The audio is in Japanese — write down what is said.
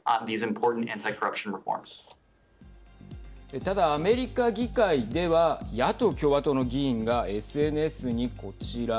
ただ、アメリカ議会では野党・共和党の議員がＳＮＳにこちら。